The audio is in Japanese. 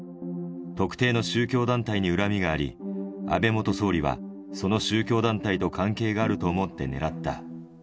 特定の宗教団体に恨みがあり、安倍元総理はその宗教団体と関係があると思って狙った。